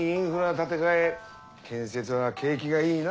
建設は景気がいいな。